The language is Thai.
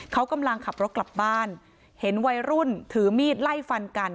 เขากำลังขับรถกลับบ้านเห็นวัยรุ่นถือมีดไล่ฟันกัน